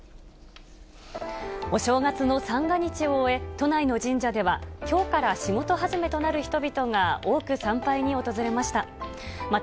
お正月の三が日を終え、都内の神社では、きょうから仕事始めとなる人々が多く参拝に訪れました。